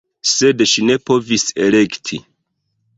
Sed ŝi ne povis elekti.